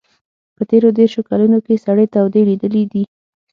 په تېرو دېرشو کلونو کې سړې تودې لیدلي دي.